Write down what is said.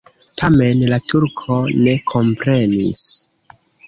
Tamen la turko ne komprenis.